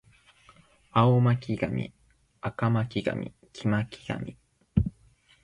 青巻紙赤巻紙黄巻紙